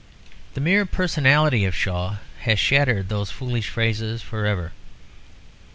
The mere personality of Shaw has shattered those foolish phrases for ever.